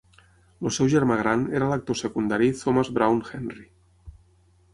El seu germà gran era l'actor secundari Thomas Browne Henry.